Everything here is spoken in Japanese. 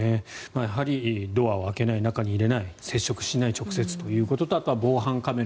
やはりドアを開けない中に入れない直接接触しないということとあとは防犯カメラ